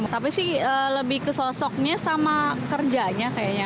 tapi sih lebih ke sosoknya sama kerjanya kayaknya